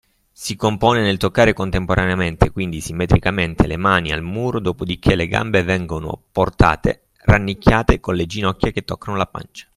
Si compone nel toccare contemporaneamente, quindi simmetricamente, le mani al muro, dopodichè le gambe vengono portare rannicchiate con le ginocchia che toccano la pancia.